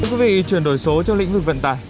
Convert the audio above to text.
quý vị chuyển đổi số trong lĩnh vực vận tải